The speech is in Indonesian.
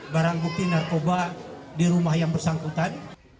barang bukti narkoba di rumah yang bersangkutan